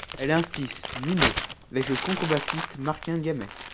Elle a un fils, Nino, avec le contrebassiste Martin Gamet.